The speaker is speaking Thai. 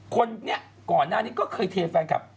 คนนี้ก่อนหน้านี้ก็เคยเทแฟนคลับ